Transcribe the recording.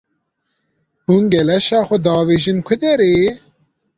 Hûn gelaşa xwe diavêjin ku derê?